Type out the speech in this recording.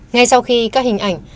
ngay sau khi các hình ảnh